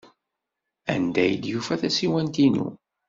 Anda ay yufa tasiwant-inu?